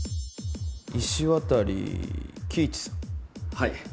はい。